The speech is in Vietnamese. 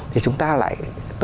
thì chúng ta lại